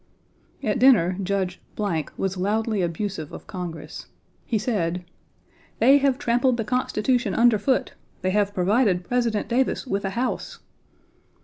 At dinner Judge was loudly abusive of Congress. He said: "They have trampled the Constitution underfoot. They have provided President Davis with a house."